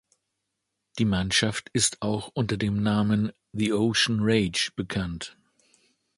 Die Mannschaft ist auch unter dem Namen "The Ocean Rage" bekannt.